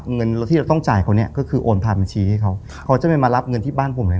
เงินเราที่เราต้องจ่ายเขาเนี่ยก็คือโอนผ่านบัญชีให้เขาเขาจะไม่มารับเงินที่บ้านผมเลย